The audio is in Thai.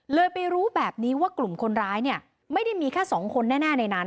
ไปรู้แบบนี้ว่ากลุ่มคนร้ายเนี่ยไม่ได้มีแค่สองคนแน่ในนั้น